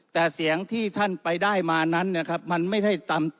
แต่เสียงที่ท่านไปได้มานั้นนะครับมันไม่ใช่ตาม